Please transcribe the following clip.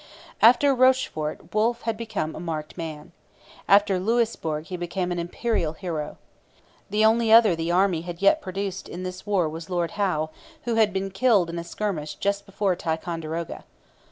After Rochefort Wolfe had become a marked man. After Louisbourg he became an Imperial hero. The only other the Army had yet produced in this war was Lord Howe, who had been killed in a skirmish just before Ticonderoga.